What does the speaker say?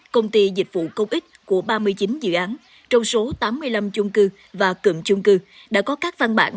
công ty dịch vụ công ích của ba mươi chín dự án trong số tám mươi năm chung cư và cầm chung cư đã có các văn bản